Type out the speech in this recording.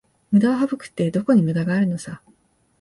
ムダを省くって、どこにムダがあるのさ